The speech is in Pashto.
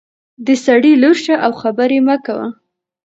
د سړي لور شه او خبرې مه کوه.